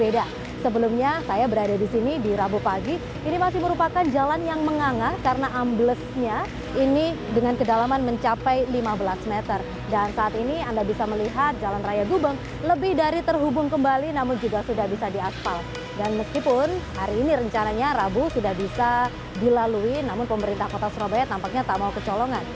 dan meskipun hari ini rencananya rabu sudah bisa dilalui namun pemerintah kota surabaya tampaknya tak mau kecolongan